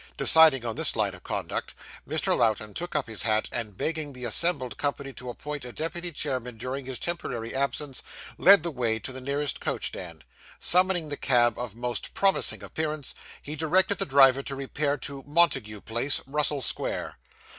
Deciding on this line of conduct, Mr. Lowten took up his hat, and begging the assembled company to appoint a deputy chairman during his temporary absence, led the way to the nearest coach stand. Summoning the cab of most promising appearance, he directed the driver to repair to Montague Place, Russell Square.